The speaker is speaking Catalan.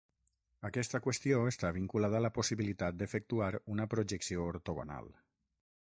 Aquesta qüestió està vinculada a la possibilitat d'efectuar una projecció ortogonal.